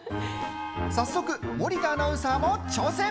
早速、森田アナウンサーも挑戦。